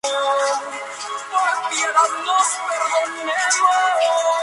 En verano hay un servicio de barcos que une Santander con esta playa.